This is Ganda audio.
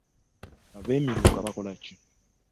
Abeemiruka bakola ki?